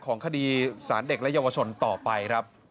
ของคดีสารเด็กและเยาวชนต่อไปครับ